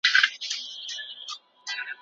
صبر تریخ دی خو میوه یې خوږه ده.